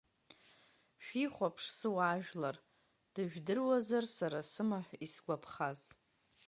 Шәихәаԥш, сыуаажәлар, дыжәдыруаз сара сымаҳә исгәаԥхаз…